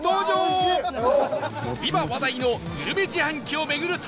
今話題のグルメ自販機を巡る旅